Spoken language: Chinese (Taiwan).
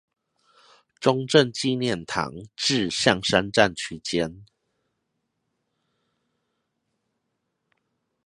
中正紀念堂至象山站區間